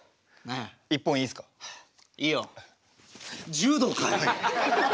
柔道かよ。